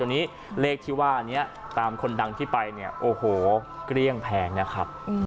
วันนี้เลขที่ว่านี้ตามคนดังที่ไปเนี่ยโอ้โหเกลี้ยงแพงนะครับ